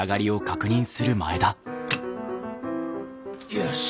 よし。